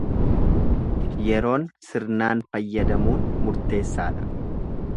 Yeroon sirnaan fayyadamuun murteessa dha.